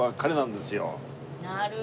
なるほど。